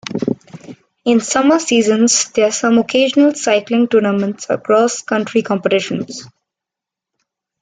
In summer seasons there are some occasional cycling tournaments or cross country competitions.